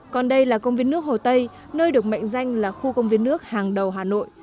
còn đây là công viên nước hồ tây nơi được mệnh danh là khu công viên nước hàng đầu hà nội